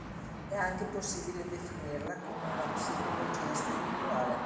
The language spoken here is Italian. È anche possibile definirla come una "psicologia spirituale".